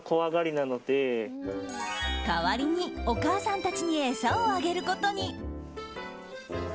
代わりにお母さんたちに餌をあげることに。